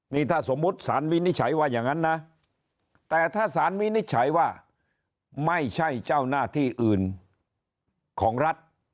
นี่ถ้าสมมุติสารวินิจฉัยว่าอย่างนั้นนะแต่ถ้าสารวินิจฉัยว่าไม่ใช่เจ้าหน้าที่อื่นของรัฐ